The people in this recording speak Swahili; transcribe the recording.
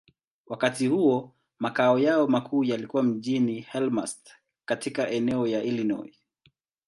Wakati huo, makao yao makuu yalikuwa mjini Elmhurst, katika eneo la Illinois.